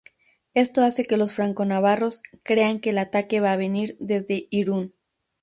Esto hace que los franco-navarros crean que el ataque va a venir desde Irún.